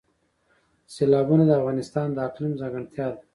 سیلابونه د افغانستان د اقلیم ځانګړتیا ده.